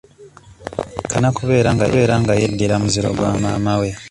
Kabaka alina kubeera nga yeddira muziro gwa maama we.